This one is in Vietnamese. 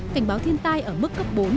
cảnh báo thiên tai ở mức cấp bốn